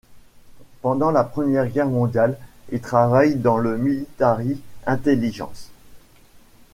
Pendant la Première Guerre mondiale, il travaille dans le Military Intelligence.